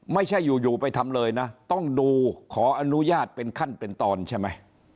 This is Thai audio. ไม่ใช่อยู่ไปทำเลยนะต้องดูขออนุญาตเป็นขั้นเป็นตอนใช่ไหม